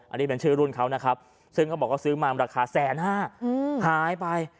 อันนี้เป็นชื่อรุ่นเขานะครับซึ่งเขาบอกว่าซื้อมาราคาแสนห้าหายไป